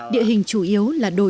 địa hình chủ yếu là đồi nội